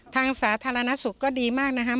สาธารณสุขก็ดีมากนะครับ